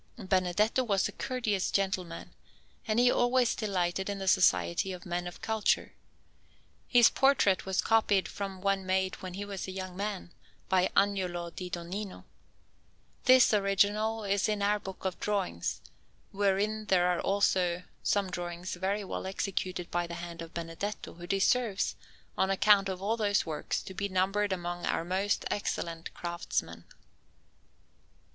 Benedetto was a courteous gentleman, and he always delighted in the society of men of culture. His portrait was copied from one made, when he was a young man, by Agnolo di Donnino. This original is in our book of drawings, wherein there are also some drawings very well executed by the hand of Benedetto, who deserves, on account of all those works, to be numbered among our most excellent craftsmen.